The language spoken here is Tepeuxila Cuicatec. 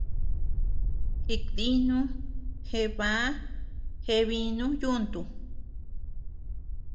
Jikdinu, jeé baa, jeé biinu yuntu.